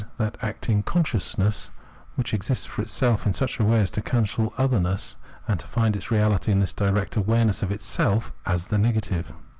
that acting consciousness, which exists for itself in such a way as to cancel other ness and find its reahty in this direct awareness of itself as the negative.